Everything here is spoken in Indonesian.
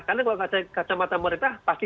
karena kalau kacamata pemerintah pasti